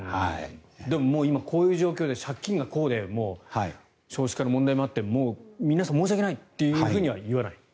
でも今こういう状況で借金がこうで少子化の問題もあって皆さん、申し訳ないとは言わない。